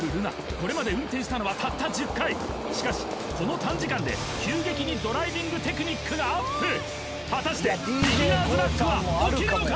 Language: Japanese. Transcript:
これまで運転したのはたった１０回しかしこの短時間で急激にドライビングテクニックがアップ果たしてビギナーズラックは起きるのか？